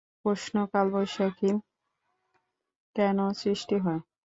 প্রশ্ন কালবৈশাখী কেন সৃষ্টি হয়?